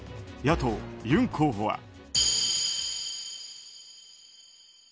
野党ユン候補は。